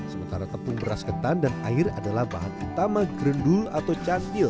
sementara tepung beras ketan dan air adalah bahan utama gerendul atau candil